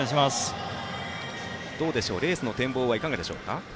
レースの展望はいかがでしょうか。